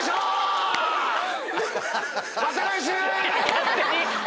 勝手に。